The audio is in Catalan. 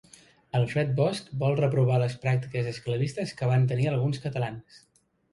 Alfred Bosch vol reprovar les pràctiques esclavistes que van tenir alguns catalans